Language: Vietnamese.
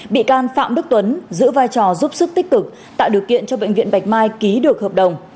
bị can phạm đức tuấn giữ vai trò giúp sức tích cực tạo điều kiện cho bệnh viện bạch mai ký được hợp đồng